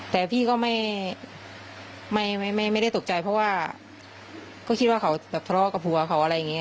แต่พี่ก็ไม่ได้ตกใจเพราะว่าก็คิดว่าเขาแบบทะเลาะกับผัวเขาอะไรอย่างนี้